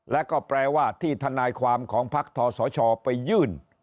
และก็แปลว่าที่ทนายความของพักทศชไปยื่น